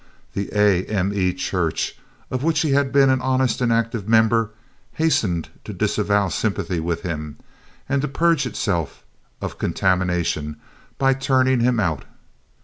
The A. M. E. church, of which he had been an honest and active member, hastened to disavow sympathy with him, and to purge itself of contamination by turning him out.